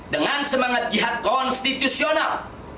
dengan semangat jihad konstitusional